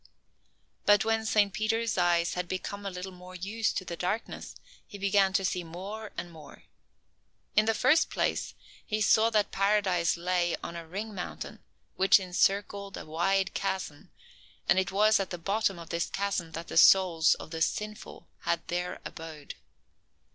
But when Saint Peter's eyes had become a little more used to the darkness he began to see more and more. In the first place, he saw that Paradise lay on a ring mountain, which encircled a wide chasm, and it was at the bottom of this chasm that the souls of the sinful had their abode.